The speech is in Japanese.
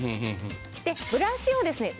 でブラシをですね